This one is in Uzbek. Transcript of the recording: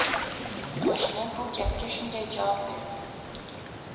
Qoʻshni bu gapga shunday javob berdi